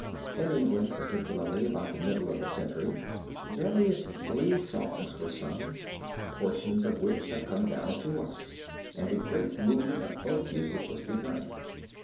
In England, particularly, about the middle of the century, various glee songs were sung, portions of which have come down to us, and a great movement of folk music was begun.